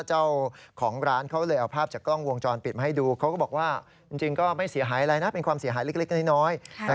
เจ้าของร้านเขาเลยเอาภาพจากกล้องวงจรปิดมาให้ดูเขาก็บอกว่าจริงก็ไม่เสียหายอะไรนะเป็นความเสียหายเล็กน้อย